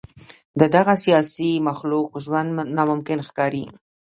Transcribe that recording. د دغه سیاسي مخلوق ژوند ناممکن ښکاري.